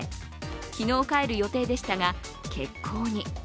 昨日帰る予定でしたが欠航に。